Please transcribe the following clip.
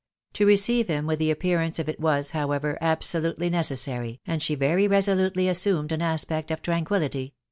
To receive him with the appearance of it was, however, absolutely necessary, and she very resolutely assumed an aspect of tranquillity.